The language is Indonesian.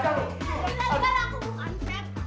juragan aku bukan setan